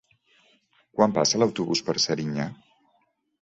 Quan passa l'autobús per Serinyà?